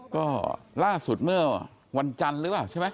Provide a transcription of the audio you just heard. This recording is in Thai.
ก็ล่าสุดเมื่อวันจันทร์หรือเปล่าใช่ไหม